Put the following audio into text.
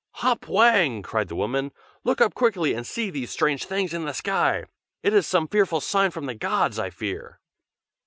"Hop Wang!" cried the woman. "Look up quickly, and see these strange things in the sky! it is some fearful sign from the gods, I fear."